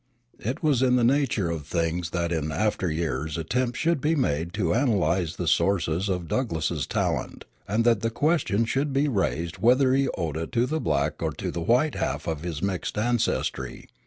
It was in the nature of things that in after years attempts should be made to analyze the sources of Douglass's talent, and that the question should be raised whether he owed it to the black or the white half of his mixed ancestry.